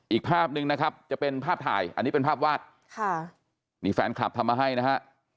อีกภาพหนึ่งนะครับจะเป็นภาพถ่ายอันนี้เป็นภาพวาดค่ะนี่แฟนคลับทำมาให้นะฮะ